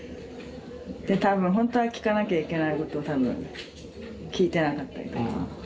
多分ほんとは聞かなきゃいけないことを多分聞いてなかったりとか。